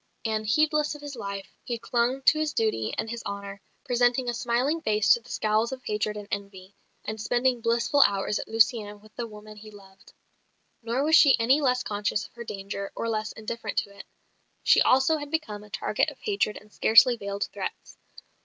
And, heedless of his life, he clung to his duty and his honour, presenting a smiling face to the scowls of hatred and envy, and spending blissful hours at Lucienne with the woman he loved. Nor was she any less conscious of her danger, or less indifferent to it. She also had become a target of hatred and scarcely veiled threats.